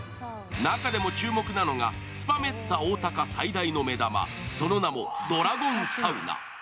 中でも注目なのがスパメッツァおおたか最大の目玉、その名もドラゴンサウナ。